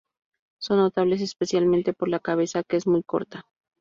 Son notables, especialmente por la cabeza que es muy corta.